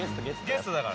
ゲストだから。